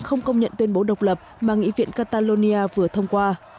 không công nhận tuyên bố độc lập mà nghị viện catalonia vừa thông qua